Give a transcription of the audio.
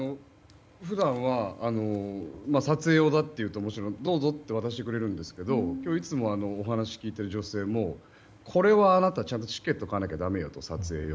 普段は撮影用だと言うとどうぞって渡してくれるんですけど今日、いつもお話を聞いている女性もこれはあなたちゃんとチケット買わないとだめよって。